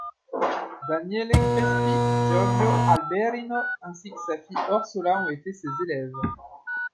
Daniele Crespi, Giorgio Alberino, ainsi que sa fille Orsola, ont été ses élèves.